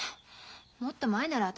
もっと前なら私